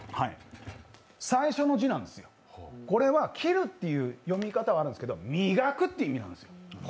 最初の字なんですよ、これは「きる」という読み方もありますけど、「磨く」という意味なんですよ。